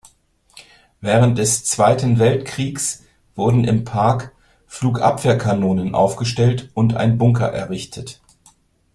Während des Zweiten Weltkriegs wurden im Park Flugabwehrkanonen aufgestellt und ein Bunker errichtet.